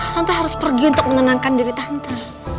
tante harus pergi untuk menenangkan diri tante